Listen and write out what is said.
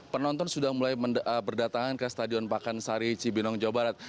penonton sudah mulai berdatangan ke stadion pakansari cibinong jawa barat